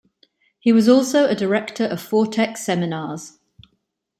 He was also a Director of Foretec Seminars.